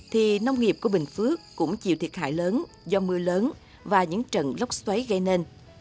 thì nông nghiệp của bình phước cũng chịu thiệt hại lớn do mưa lớn và những trận lốc xoáy gây nên